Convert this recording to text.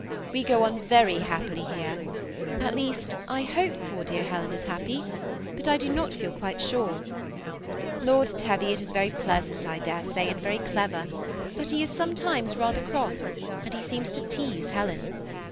We go on very happily here ; at least. 132 THE BEMI ATTACHED COUPLE. I hope dear Helen is happy; but I do not feel quite sure. Lord Teviot is very pleasant, I dare saj, and very clever, but he is sometimes rather cross, and he seems to tease Helen.